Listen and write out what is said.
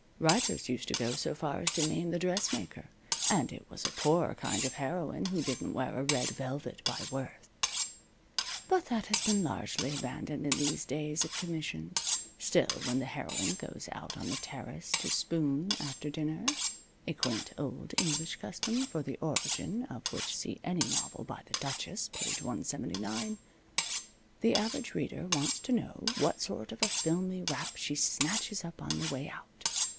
Writers used to go so far as to name the dressmaker; and it was a poor kind of a heroine who didn't wear a red velvet by Worth. But that has been largely abandoned in these days of commissions. Still, when the heroine goes out on the terrace to spoon after dinner (a quaint old English custom for the origin of which see any novel by the "Duchess," page 179) the average reader wants to know what sort of a filmy wrap she snatches up on the way out.